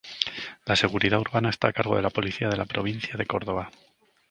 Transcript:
La seguridad urbana está a cargo de la Policía de la provincia de Córdoba.